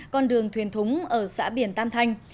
con đường thuyền thúng ở xã biển tam thanh